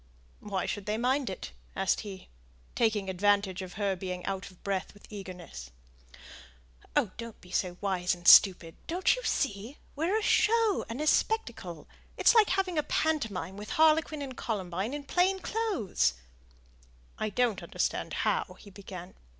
"Why should they mind it?" asked he, taking advantage of her being out of breath with eagerness. "Oh, don't be so wise and stupid; don't you see, we're a show and a spectacle it's like having a pantomime with harlequin and columbine in plain clothes." "I don't understand how " he began.